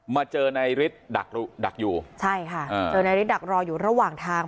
มาเจอนายฤทธิ์ดักดักอยู่ใช่ค่ะอ่าเจอนายฤทธิดักรออยู่ระหว่างทาง